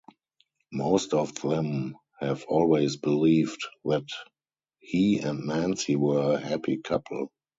Most of them have always believed that he and Nancy were a happy couple.